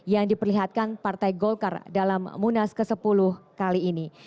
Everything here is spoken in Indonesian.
yang diperlihatkan partai golkar dalam munas ke sepuluh kali ini